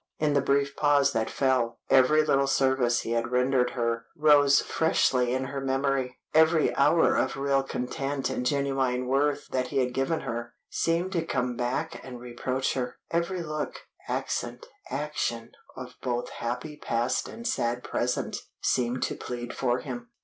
In the brief pause that fell, every little service he had rendered her, rose freshly in her memory; every hour of real content and genuine worth that he had given her, seemed to come back and reproach her; every look, accent, action, of both happy past and sad present seemed to plead for him.